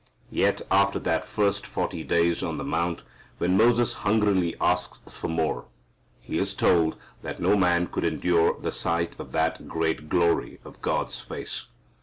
Yet after that first forty days on the mount when Moses hungrily asks for more, He is told that no man could endure the sight of that great glory of God's face.